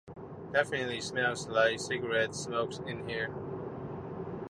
It definitely smells like cigarette smoke in here